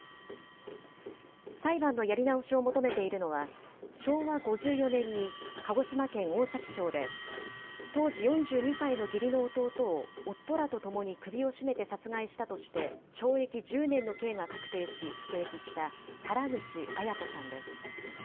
裁判のやり直しを求めているのは、昭和５４年に、鹿児島県大崎町で、当時４２歳の義理の弟を夫らと共に首を絞めて殺害したとして懲役１０年の刑が確定し、服役した原口アヤ子さんです。